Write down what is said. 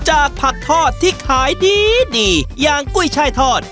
จากผักทอดที่ขายดีดีอย่างกุ้ยช่ายทอด